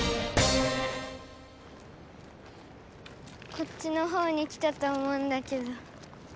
こっちのほうに来たと思うんだけど。